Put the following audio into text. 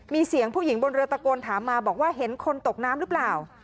มีเสียงผู้หญิงบนเรือตะโกนถามมาบอกว่าเห็นคนตกน้ำหรือเปล่า